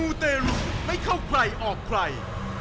ูเตรุไม่เข้าใครออกใคร